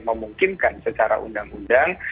memungkinkan secara undang undang